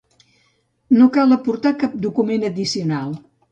No cal aportar cap documentació addicional.